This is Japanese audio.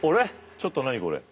ちょっと何これ。